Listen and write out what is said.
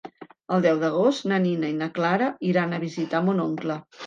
El deu d'agost na Nina i na Clara iran a visitar mon oncle.